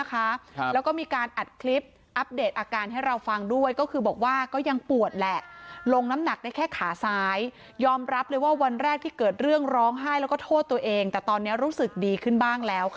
แล้วก็มีการอัดคลิปอัปเดตอาการให้เราฟังด้วยก็คือบอกว่าก็ยังปวดแหละลงน้ำหนักได้แค่ขาซ้ายยอมรับเลยว่าวันแรกที่เกิดเรื่องร้องไห้แล้วก็โทษตัวเองแต่ตอนนี้รู้สึกดีขึ้นบ้างแล้ว